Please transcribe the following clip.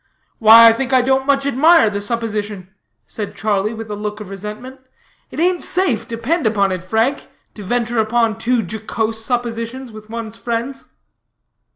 "Why, I think I don't much admire the supposition," said Charlie, with a look of resentment; "it ain't safe, depend upon it, Frank, to venture upon too jocose suppositions with one's friends."